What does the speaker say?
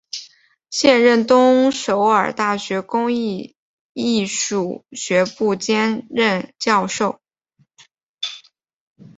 现任东首尔大学公演艺术学部兼任教授。